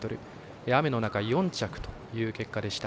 雨の中４着という結果でした。